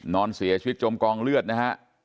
นอนเสียชีวิตจมกองเลือดนะฮะ